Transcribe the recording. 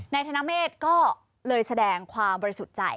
ธนเมฆก็เลยแสดงความบริสุทธิ์ใจ